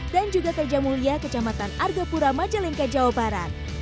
dan juga teja mulia kecamatan argapura majeleng kajawabaran